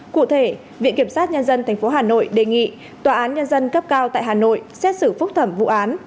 cụ thể viện kiểm sát nhân dân tp hà nội đề nghị tòa án nhân dân cấp cao tại hà nội xét xử phúc thẩm vụ án